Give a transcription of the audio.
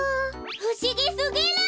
ふしぎすぎる！